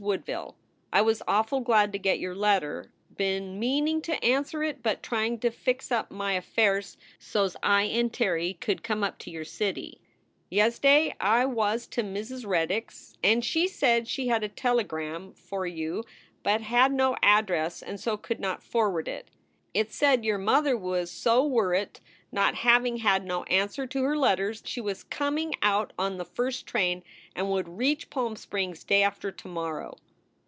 WOODVILLE. I was awful glad to get your letter. Been meaning to anser it but trying to fix up my afairs sos I and Terry could come up to your city. Yesday I was to Mrs. Reddicks and she said she had a tellagram for you but had no aclress and so could not forword it. It said your mother was so worrit not having had no anser to her letters she was comeing out on the first train and would reache Palm Springs day after tomorow.